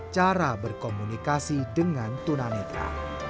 cara berkomunikasi dengan tuna netra